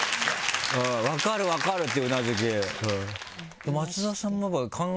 「分かる分かる」ってうなずいて。